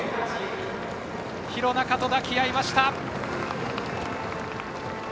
廣中と抱き合いました。